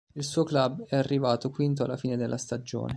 Il suo club è arrivato quinto alla fine della stagione.